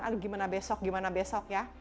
aduh gimana besok gimana besok ya